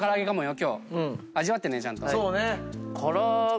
味わってねちゃんと。